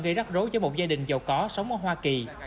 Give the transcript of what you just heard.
gây rắc rối cho một gia đình giàu có sống ở hoa kỳ